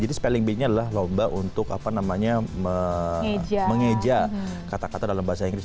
jadi spelling bee nya adalah lomba untuk apa namanya mengeja kata kata dalam bahasa inggris